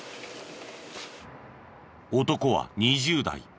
男は２０代。